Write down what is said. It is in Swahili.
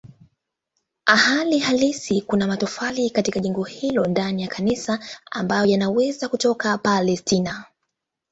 Hali halisi kuna matofali katika jengo hilo ndani ya kanisa ambayo yanaweza kutoka Palestina.